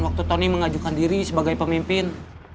waktu tony mengajukan diri sebagai pemimpin